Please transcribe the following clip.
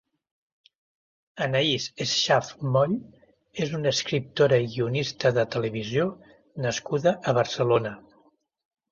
Anaïs Schaaff Moll és una escriptora i guionista de televisió nascuda a Barcelona.